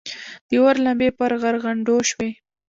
د اور لمبې پر غرغنډو شوې.